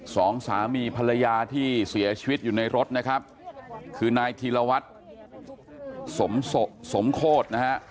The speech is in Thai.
สองสามีภรรยาที่เสียชีวิตอยู่ในรถนะครับคือนายธีรวัตรสมสมโคตรนะฮะ